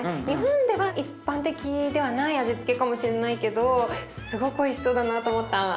日本では一般的ではない味付けかもしれないけどすごくおいしそうだなと思った。